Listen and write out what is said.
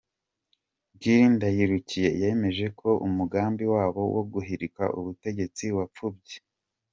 Cyril Ndayirukiye, yemeje ko umugambi wabo wo guhirika ubutegetsi wapfubye.